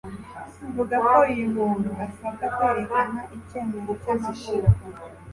ivuga ko uyu muntu asabwa kwerekana Icyemezo cy'amavuko,